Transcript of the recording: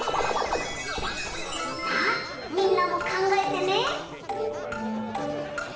さあみんなもかんがえてね。